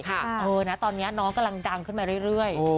เออนะตอนนี้น้องกำลังดังขึ้นมาเรื่อย